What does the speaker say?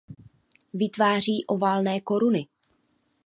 Vytváří oválné koruny.